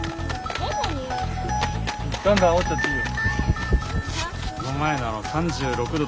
・どんどんあおっちゃっていいよ。